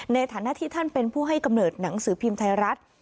ในฐานะที่ท่านเป็นผู้ให้กำเนิดหนังสือพิมพ์ไทยรัฐ